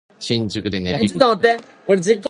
新宿で寝る人